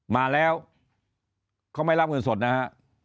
มาแล้วเขาไม่รับเงินสดนะฮะ